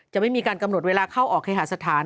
จะไม่มีการกำหนดเวลาเข้าออกแข่งอาชิกาศถาน